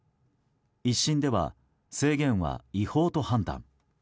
１審では、制限は違法と判断。